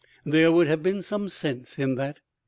There would have been some sense in that.